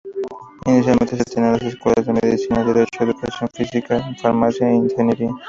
Inicialmente se tenían las escuelas de Medicina, Derecho, Educación Física, Farmacia e Ingeniería.